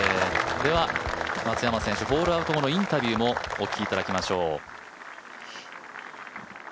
松山選手、ホールアウト後のインタビューもお聞きいただきましょう。